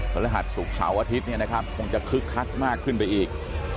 สันติฐานสุดเช้าอาทิตย์เนี่ยนะครับคงจะคึกคักมากขึ้นไปอีก